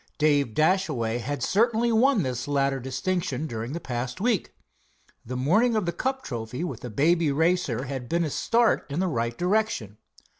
Dave Dashaway had certainly won this latter distinction during the past week. The morning of the cup trophy with the Baby Racer had been a start in the right direction.